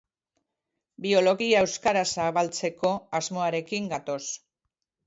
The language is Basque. Biologia euskaraz zabaltzeko asmoarekin gatoz.